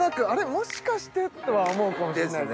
もしかしてとは思うかもしれないですね。